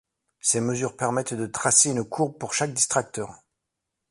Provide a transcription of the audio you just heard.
Ces mesures permettent de tracer une courbe pour chaque distracteur.